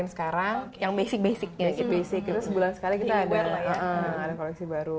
ini yang identik banget sama kami idea